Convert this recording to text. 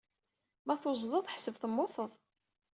Ma tuẓeḍ-d, ḥsseb temmuteḍ!